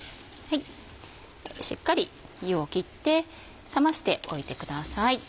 しっかり湯を切って冷ましておいてください。